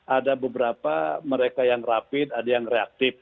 ada beberapa mereka yang rapid ada yang reaktif